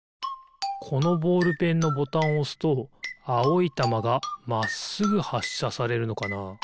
このボールペンのボタンをおすとあおいたまがまっすぐはっしゃされるのかな？